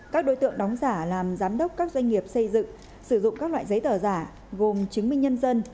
các đối tượng đóng giả làm giám đốc các doanh nghiệp xây dựng sử dụng các loại giấy tờ giả gồm chứng minh nhân dân